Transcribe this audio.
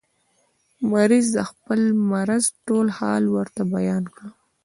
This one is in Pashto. مریض د خپل مرض ټول حال ورته بیان کړ.